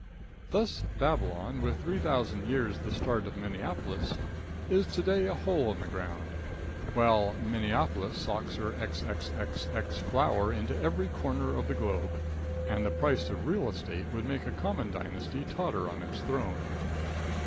Thus Babylon, with 3,000 years the start of Minneapolis, is to day a hole in the ground, while Minneapolis socks her XXXX flour into every corner of the globe, and the price of real estate would make a common dynasty totter on its throne.